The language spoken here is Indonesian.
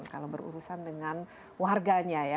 kalau berurusan dengan warganya ya